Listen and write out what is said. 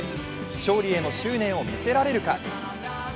勝利への執念を見せられるか？